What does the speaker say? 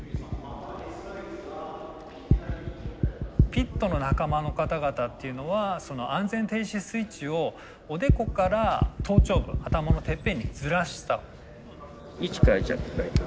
ピットの仲間の方々っていうのはその安全停止スイッチをおでこから頭頂部頭のてっぺんにずらした。